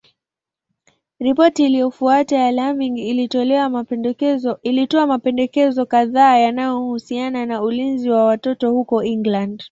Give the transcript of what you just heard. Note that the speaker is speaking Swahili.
Ripoti iliyofuata ya Laming ilitoa mapendekezo kadhaa yanayohusiana na ulinzi wa watoto huko England.